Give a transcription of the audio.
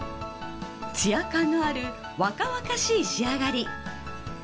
ツヤ感のある若々しい仕上がり。